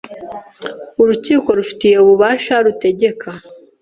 urukiko rubifitiye ububasha rutegeka